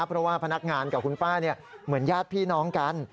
เพราะว่าพนักงานกับคุณป้าเหมือนญาติพี่น้องกัน